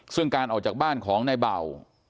ซึ่งการออกจากบ้านของนายเบา